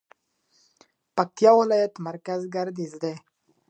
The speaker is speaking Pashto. پکتيا ولايت مرکز ګردېز ده